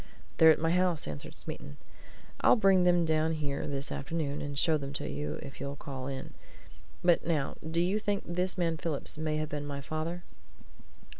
"They're at my house," answered Smeaton. "I'll bring them down here this afternoon, and show them to you if you'll call in. But now do you think this man Phillips may have been my father?"